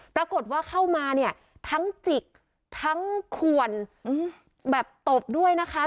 ปรากฏว่าเข้ามาเนี่ยทั้งจิกทั้งขวนแบบตบด้วยนะคะ